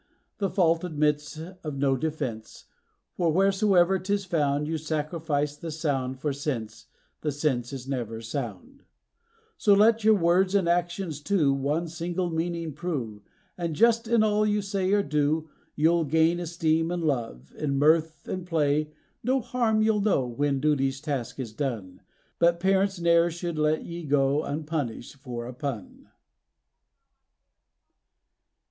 The fault admits of no defence, for wheresoe'er 'tis found, You sacrifice the sound for sense; the sense is never sound. So let your words and actions, too, one single meaning prove, And just in all you say or do, you'll gain esteem and love. In mirth and play no harm you'll know when duty's task is done; But parents ne'er should let ye go un_pun_ished for a PUN.